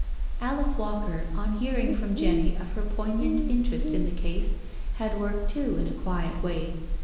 Alice Walker, on hearing from Jenny of her poignant interest in the case, had worked too in a quiet way.